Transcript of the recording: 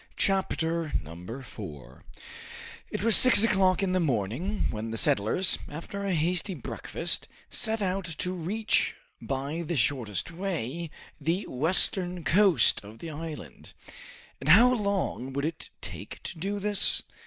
Chapter 4 It was six o' clock in the morning when the settlers, after a hasty breakfast, set out to reach by the shortest way, the western coast of the island. And how long would it take to do this?